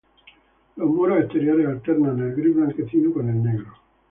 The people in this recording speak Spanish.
Los muros exteriores alternan el gris blanquecino con el negro.